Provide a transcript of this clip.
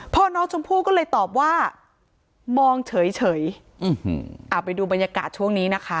พ่อน้องชมพู่ก็เลยตอบว่ามองเฉยเอาไปดูบรรยากาศช่วงนี้นะคะ